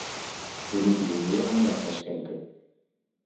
We moeten hier meer aandacht aan schenken.